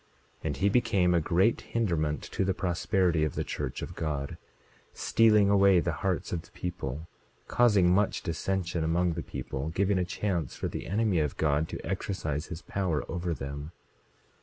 27:9 And he became a great hinderment to the prosperity of the church of God; stealing away the hearts of the people; causing much dissension among the people; giving a chance for the enemy of God to exercise his power over them.